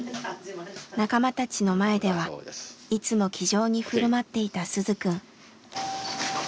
仲間たちの前ではいつも気丈に振る舞っていた鈴くん。